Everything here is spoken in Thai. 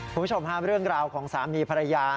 คุณผู้ชมฮะเรื่องราวของสามีภรรยา